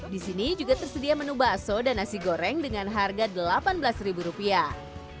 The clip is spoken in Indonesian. di sini juga tersedia menu bakso dan nasi goreng dengan harga delapan belas ribu rupiah